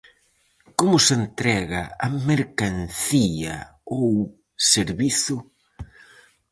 Como se entrega a mercancía ou servizo?